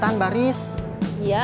terus dia sudahgehnya untung diri nya